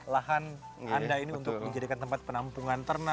lahan anda ini untuk dijadikan tempat penampungan ternak